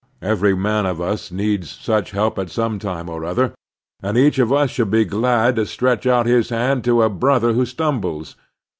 Every man of us needs such help at some time or other, and each of us should be glad to stretch out his hand to a brother who stumbles.